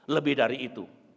lebih dari itu